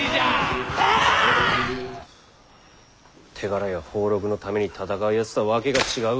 手柄や俸禄のために戦うやつとはわけが違うわ。